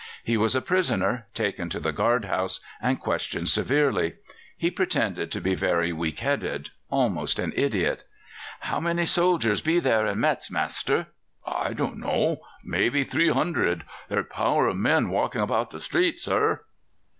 He was a prisoner, taken to the guard house, and questioned severely. He pretended to be very weak headed, almost an idiot. "How many soldiers be there in Metz, master? I dunno. Maybe 300. There's a power of men walking about the streets, sir."